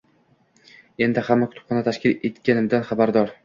Endi hamma kutubxona tashkil etganimdan xabardor